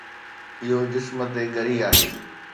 اهو جسم تي ڳري آهي